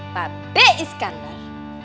pak b iskandar